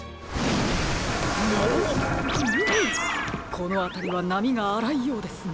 このあたりはなみがあらいようですね。